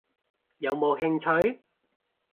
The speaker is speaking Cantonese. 有冇興趣？